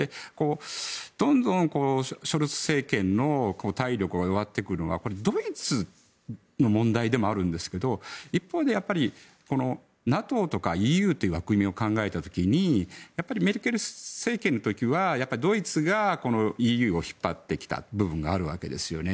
どんどんショルツ政権の体力が弱ってくるのはこれ、ドイツの問題でもあるんですけど一方でＮＡＴＯとかＥＵという枠組みを考えた時にメルケル政権の時はドイツがＥＵを引っ張ってきた部分があるわけですよね。